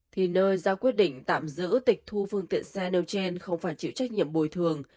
thì nơi ra quyết định tạm giữ tịch thu phương tiện xe nêu trên không phải chịu trách nhiệm bồi thường